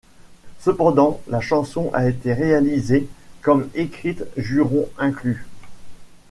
Cependant, la chanson a été réalisée comme écrite, jurons inclus.